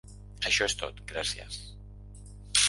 Això es tot, gràcies!